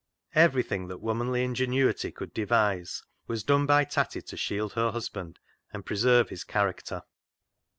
Everything that womanly ingenuity could devise was done by Tatty to shield her husband and preserve his character.